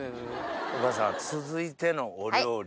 お母さん続いてのお料理。